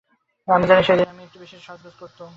আমি জানি সেদিন আমি একটু বিশেষ সাজগোজ করতুম।